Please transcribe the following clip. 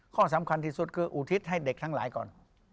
ข้อสำคัญที่สุดคืออุทิศให้เด็กทั้งหลายก่อน